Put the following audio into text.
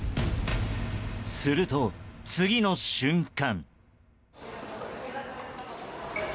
すると、次の瞬間。